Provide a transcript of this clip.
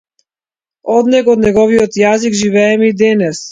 Од него, од неговиот јазик живееме и денес.